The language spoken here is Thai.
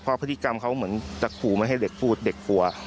เพราะพฤติกรรมเขาเหมือนจะขู่ไม่ให้เด็กพูดเด็กกลัว